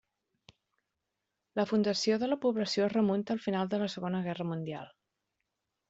La fundació de la població es remunta al final de la Segona Guerra Mundial.